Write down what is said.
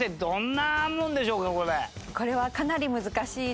これはかなり難しいですね。